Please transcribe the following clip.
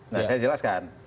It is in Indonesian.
nah saya jelaskan